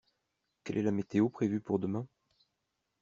Quelle est la météo prévue pour demain?